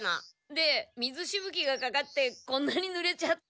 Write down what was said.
で水しぶきがかかってこんなにぬれちゃって。